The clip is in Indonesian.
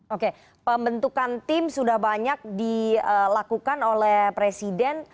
oke pembentukan tim sudah banyak dilakukan oleh presiden